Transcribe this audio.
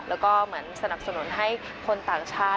แล้วก็เหมือนสนับสนุนให้คนต่างชาติ